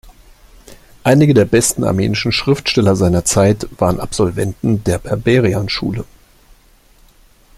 Einige der besten, armenischen Schriftsteller seiner Zeit waren Absolventen der Berberian-Schule.